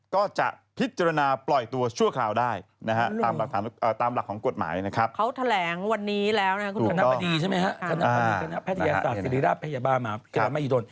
ก็จะพิจารณาปล่อยตัวด้วยชั่วคราวได้ตามหลักของกฏหมายนะครับ